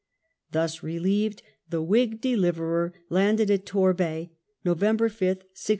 Thus relieved, the Whig Deliverer landed at Torbay, November 5, 1688.